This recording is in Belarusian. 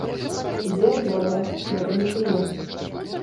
Ідзе ад горада, гэта не кліент.